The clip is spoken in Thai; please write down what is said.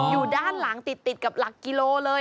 อยู่ด้านหลังติดกับหลักกิโลเลย